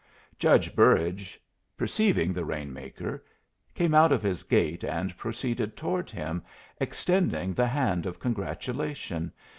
Judge Burrage, perceiving the rain maker, came out of his gate and proceeded toward him, extending the hand of congratulation.